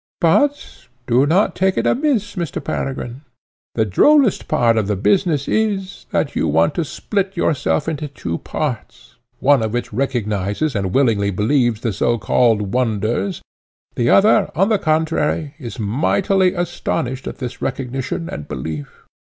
But, do not take it amiss, Mr. Peregrine, the drollest part of the business is, that you want to split yourself into two parts, one of which recognises and willingly believes the so called wonders; the other, on the contrary, is mightily astonished at this recognition and belief.